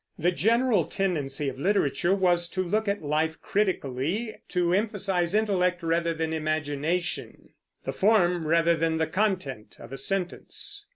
The general tendency of literature was to look at life critically, to emphasize intellect rather than imagination, the form rather than the content of a sentence.